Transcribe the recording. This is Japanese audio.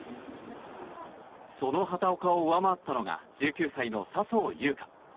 その畑岡を上回ったのが１９歳の笹生優花。